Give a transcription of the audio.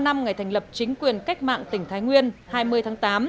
kỷ niệm bảy mươi ba năm ngày thành lập chính quyền cách mạng tỉnh thái nguyên hai mươi tháng tám